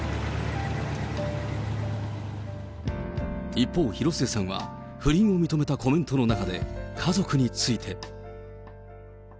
一方、広末さんは不倫を認めたコメントの中で、家族について。